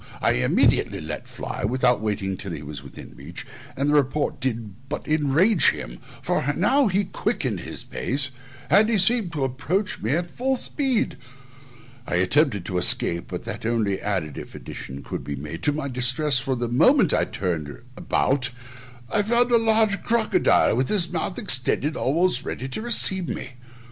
I immediately let fly, without waiting till he was within reach, and the report did but enrage him, for he now quickened his pace, and seemed to approach me full speed: I attempted to escape, but that only added (if an addition could be made) to my distress; for the moment I turned about I found a large crocodile, with his mouth extended almost ready to receive me.